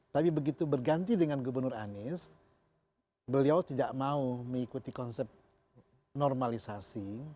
tapi begitu berganti dengan gubernur anies beliau tidak mau mengikuti konsep normalisasi